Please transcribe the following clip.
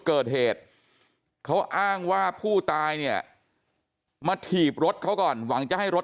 เกิดเหตุเขาอ้างว่าผู้ตายเนี่ยมาถีบรถเขาก่อนหวังจะให้รถ